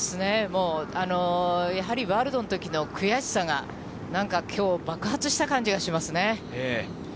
もうやはりワールドのときの悔しさが、なんかきょう、爆発した感じがしますね。